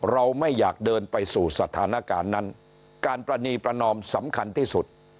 เราไม่อยากเดินไปสู่สถานการณ์นั้นการประนีประนอมสำคัญที่สุด